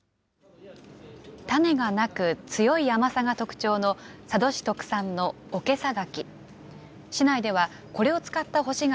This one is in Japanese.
種がなく、強い甘さが特徴の佐渡市特産のおけさ柿。